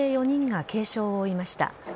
４人が軽傷を負いました。